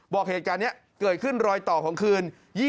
บอกเหตุการณ์นี้เกิดขึ้นรอยต่อของคืน